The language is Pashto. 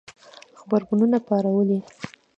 غبرګونونه پارولي